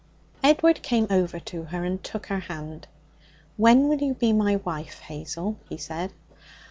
Edward came over to her and took her hand. 'When will you be my wife, Hazel?' he said.